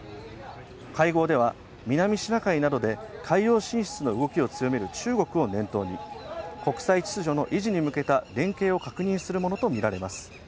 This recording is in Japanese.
会合では、南シナ海などで海洋進出の動きを強める中国を念頭に、国際秩序の維持に向けた連携を確認するものとみられます。